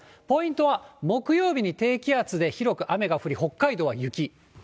ポイントは木曜日に低気圧で広く雨が降り、北海道は雪。